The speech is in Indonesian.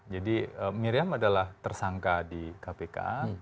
jadi miriam adalah tersangka di kpk